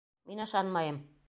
Мин ышанмайым!